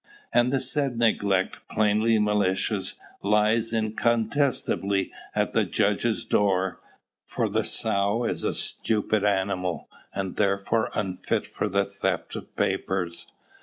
"And the said neglect, plainly malicious, lies incontestably at the judge's door; for the sow is a stupid animal, and therefore unfitted for the theft of papers.